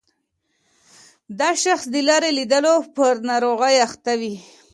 دا شخص د لیرې لیدلو په ناروغۍ اخته وي.